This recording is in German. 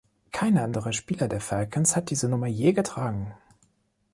Kein anderer Spieler der Falcons hat diese Nummer je getragen.